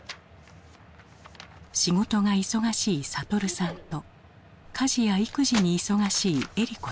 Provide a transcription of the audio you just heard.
仕事が忙しい悟さんと家事や育児に忙しいえり子さん。